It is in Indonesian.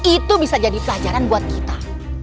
itu bisa jadi pelajaran buat kita